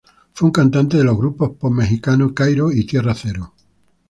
Fue un cantante de los grupos pop mexicano "Kairo" y "Tierra Cero".